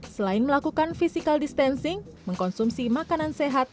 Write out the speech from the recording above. selain melakukan physical distancing mengkonsumsi makanan sehat